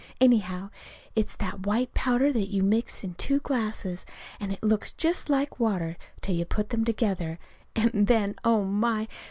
Anyhow, it's that white powder that you mix in two glasses, and that looks just like water till you put them together. And then, oh, my!